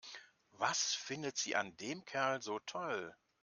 Was findet sie an dem Kerl so toll?